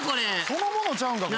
そのものちゃうんか？